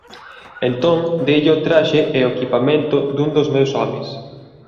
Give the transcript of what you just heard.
Entón deille o traxe e o equipamento dun dos meus homes.